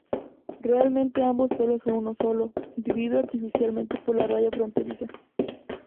Realmente ambos pueblos son uno solo, dividido artificialmente por la raya fronteriza.